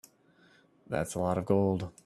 That's a lot of gold.